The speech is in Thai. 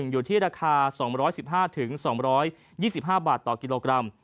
๑๐๐๒๙๔๔๗๑อยู่ที่ราคา๒๑๕๒๒๕บาทต่อกิโลกรัม